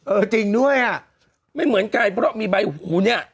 จริงด้วยอ่ะไม่เหมือนกันเพราะมีใบหูเนี่ย